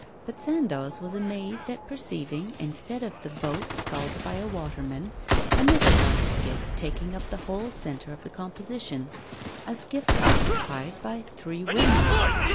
But Sandoz was amazed at perceiving, instead of the boat sculled by a waterman, another large skiff taking up the whole centre of the composition a skiff occupied by three women.